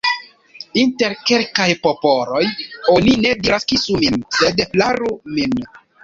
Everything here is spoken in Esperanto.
Inter kelkaj popoloj oni ne diras: « kisu min », sed « flaru min ».